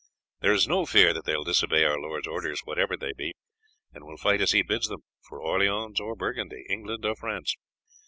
There is no fear that they will disobey our lord's orders whatever they be, and will fight as he bids them, for Orleans or Burgundy, England or France.